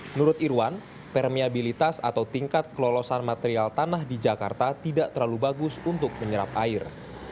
menurut irwan peremiabilitas atau tingkat kelolosan material tanah di jakarta tidak terlalu bagus untuk menyerap air